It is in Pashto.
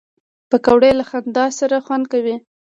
پکورې له خندا سره خوند کوي